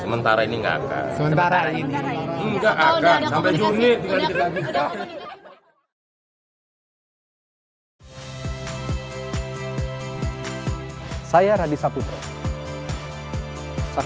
sementara ini enggak akan